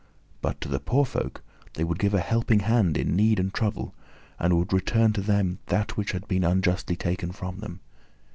But to the poor folk they would give a helping hand in need and trouble, and would return to them that which had been unjustly taken from them.